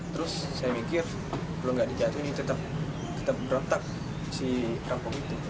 terus saya mikir belum gak dijatuh ini tetap berotak si kampung itu